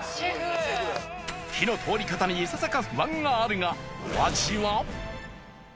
火の通り方にいささか不安があるがお味は？